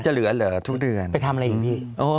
เหลือเหรอทุกเดือนไปทำอะไรอีกพี่